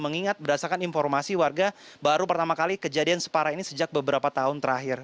mengingat berdasarkan informasi warga baru pertama kali kejadian separah ini sejak beberapa tahun terakhir